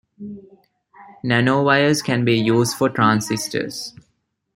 Nanowires can be used for transistors.